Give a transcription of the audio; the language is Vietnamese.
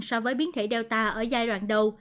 so với biến thể delta ở gia đình